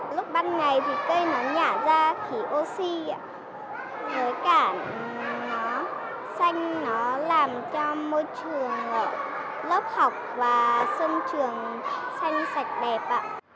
lúc ban ngày thì cây nó nhả ra khí oxy với cả nó xanh nó làm cho môi trường lớp học và sân trường xanh sạch đẹp